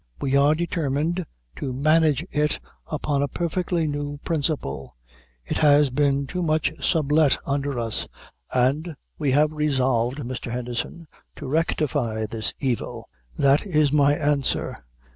We are determined to manage it upon a perfectly new principle. It has been too much sublet under us, and we have resolved, Mr. Henderson, to rectify this evil. That is my answer.